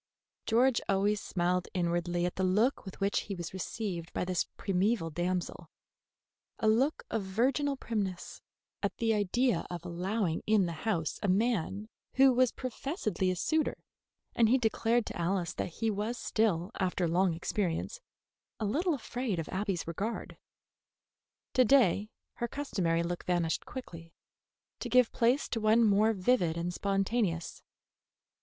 George always smiled inwardly at the look with which he was received by this primeval damsel, a look of virginal primness at the idea of allowing in the house a man who was professedly a suitor, and he declared to Alice that he was still, after long experience, a little afraid of Abby's regard. To day her customary look vanished quickly, to give place to one more vivid and spontaneous.